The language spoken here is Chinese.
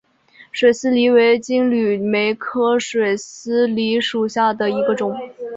水丝梨为金缕梅科水丝梨属下的一个种。